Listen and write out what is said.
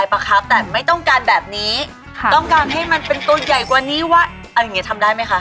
อย่างงี้ทำได้ไหมคะ